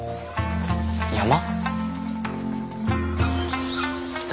山？